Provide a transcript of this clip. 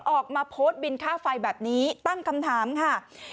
ออกมาโพสต์บินค่าไฟแบบนี้ตั้งคำถามค่ะ